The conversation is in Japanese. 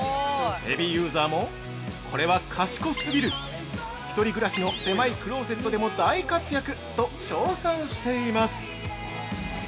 ヘビーユーザーも「これは賢すぎる！」「一人暮らしの狭いクローゼットでも大活躍！」と称賛しています。